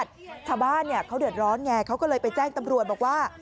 ชาวบ้านเขาเดือดร้อนไงเขาก็เลยไปแจ้งตำรวจบอกว่า